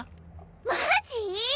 マジ？